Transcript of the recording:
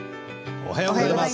おはようございます。